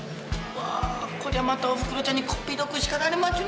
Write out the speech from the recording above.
こりゃまたおふくろちゃんにこっぴどくしかられまちゅね